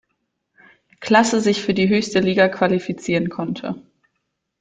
Klasse sich für die höchste Liga qualifizieren konnte.